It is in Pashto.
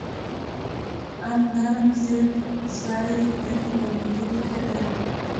ام نرم زېړ زړي لري او معدې ته ښه ده.